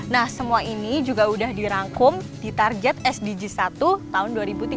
nah semua ini juga sudah dirangkum di target sdg satu tahun dua ribu tiga puluh